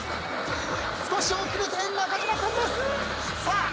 少し遅れて中島君です！さあ